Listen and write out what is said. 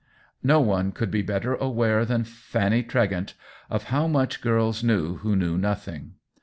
No one could be better aware than Fanny Tre gent of how much girls knew who knew nothing.